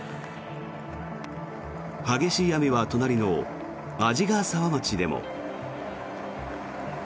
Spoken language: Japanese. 激しい雨は隣の鰺ヶ沢町でも。